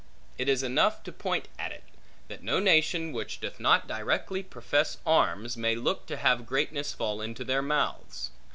It is enough to point at it; that no nation which doth not directly profess arms, may look to have greatness fall into their mouths.